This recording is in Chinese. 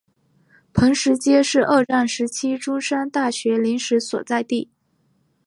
坪石街是二战时期中山大学临时所在地。